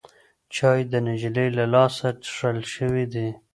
چای د نجلۍ له لاسه څښل شوی دی.